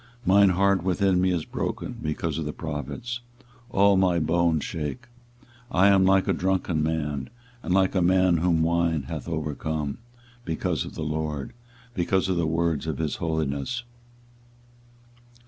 24:023:009 Mine heart within me is broken because of the prophets; all my bones shake; I am like a drunken man, and like a man whom wine hath overcome, because of the LORD, and because of the words of his holiness.